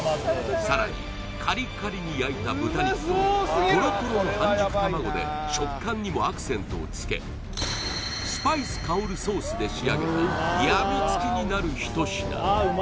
さらにカリカリに焼いた豚肉とトロトロの半熟卵で食感にもアクセントをつけスパイス香るソースで仕上げた